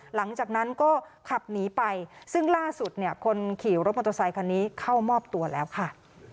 หลังจากนั้นก็ขับหนีไปซึ่งล่าสุดเนี่ยคนขี่รถมอเตอร์ไซคันนี้เข้ามอบตัวแล้วค่ะ